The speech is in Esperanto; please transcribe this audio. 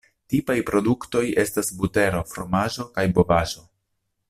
Tipaj produktoj estas butero, fromaĝo kaj bovaĵo.